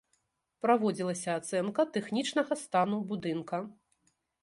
Праводзілася ацэнка тэхнічнага стану будынка.